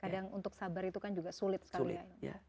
kadang untuk sabar itu kan juga sulit sekali ya